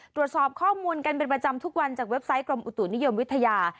ตรวจสอบข้อมูลกันเป็นประจำทุกวันจากเว็บไซต์กรมอุตุนิยมวิทยา